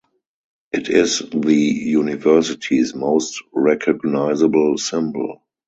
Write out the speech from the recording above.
It is the university's most recognizable symbol.